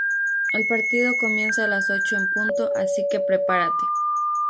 El partido comienza a las ocho en punto asique prepárate